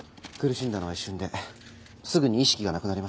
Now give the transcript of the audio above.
苦しんだのは一瞬ですぐに意識がなくなりました。